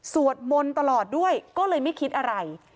สวดมนต์ตลอดด้วยก็เลยไม่คิดอะไร